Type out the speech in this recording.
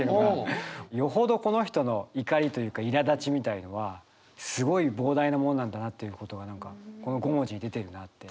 よほどこの人の怒りというかいらだちみたいのはすごい膨大なものなんだなということが何かこの５文字に出てるなって。